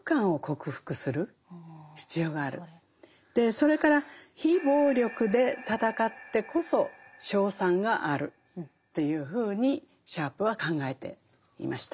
それから非暴力で戦ってこそ勝算があるっていうふうにシャープは考えていました。